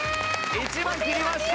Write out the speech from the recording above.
１万切りました